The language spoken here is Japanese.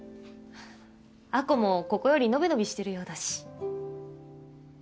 亜子もここより伸び伸びしてるようだし。